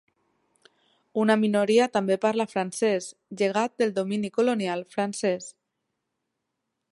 Una minoria també parla francès, llegat del domini colonial francès.